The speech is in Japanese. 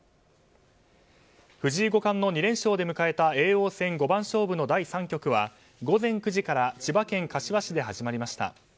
藤井五冠の２連勝で迎えた叡王戦五番勝負の第３局は午前９時から千葉県柏市で始まりました。